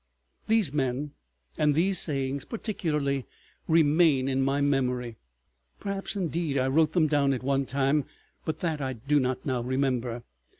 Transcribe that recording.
These men and these sayings particularly remain in my memory. Perhaps, indeed, I wrote them down at the time, but that I do not now remember.